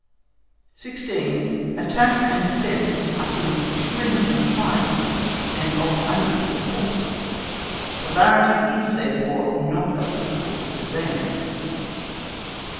16. ATTACK AND DEFENCE ARE THINGS DIFFERING IN KIND AND OF UNEQUAL FORCE. POLARITY IS, THEREFORE, NOT APPLICABLE TO THEM.